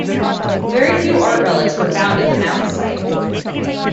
Very few art relics were found at the mounds site.